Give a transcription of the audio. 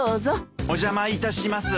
お邪魔いたします。